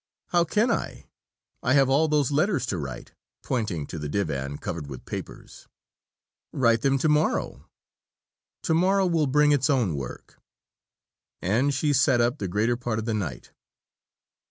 'How can I; I have all those letters to write,' pointing to the divan covered with papers. 'Write them to morrow.' 'To morrow will bring its own work.' And she sat up the greater part of the night."